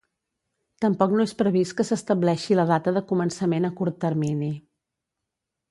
Tampoc no és previst que s’estableixi la data de començament a curt termini.